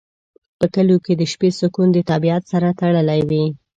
په کلیو کې د شپې سکون د طبیعت سره تړلی وي.